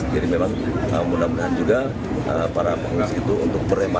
jadi memang mudah mudahan juga para pengus itu untuk berhemat